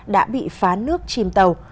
đã bị phá nước chìm tàu